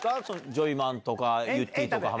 ジョイマンとかゆってぃとか。